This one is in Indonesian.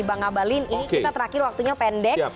bang abalin ini kita terakhir waktunya pendek